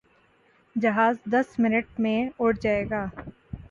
جہاز دس منٹ میں اڑ جائے گا۔